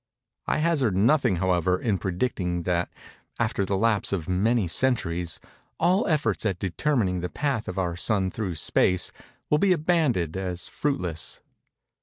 I hazard nothing however, in predicting, that, after the lapse of many centuries, all efforts at determining the path of our Sun through Space, will be abandoned as fruitless.